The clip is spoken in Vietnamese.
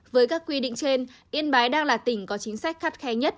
với các quy định trên yên bái đang là tỉnh có chính sách khắt khe nhất